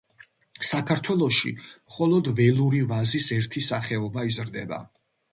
საქართველოში მხოლოდ ველური ვაზის ერთი სახეობა იზრდება.